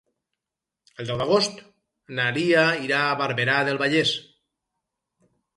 El deu d'agost na Lia irà a Barberà del Vallès.